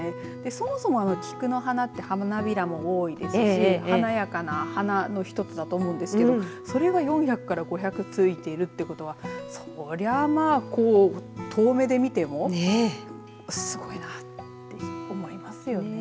そもそも菊の花って花びらも多いですし華やかな花の一つだと思うんですけどそれが４００から５００付いてるってことはそれはまあ遠目で見てもすごいなって思いますよね。